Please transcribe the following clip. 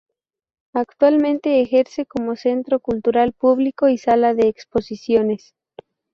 Actualmente ejerce como Centro Cultural público y Sala de Exposiciones.